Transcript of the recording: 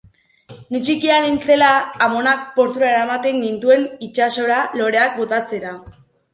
Ni txikia nintzela, amonak portura eramaten gintuen itsasora loreak botatzera.